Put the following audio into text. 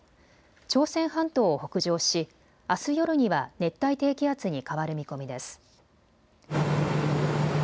朝鮮半島を北上し、あす夜には熱帯低気圧に変わる見込みです。